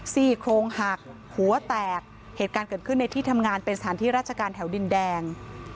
ซี่โครงหักหัวแตกเหตุการณ์เกิดขึ้นในที่ทำงานเป็นสถานที่ราชการแถวดินแดง